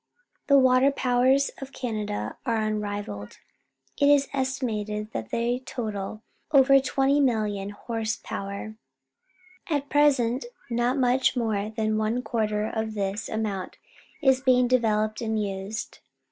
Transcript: The water powers of Canada are un rivalled. It is estimated that they total THE DOMINION OF CANADA 73 over 20,000,000 horse power. At present not much more than one quarter of tliis amount is being developed and used.